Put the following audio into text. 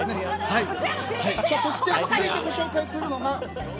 そして、続いてご紹介するのが。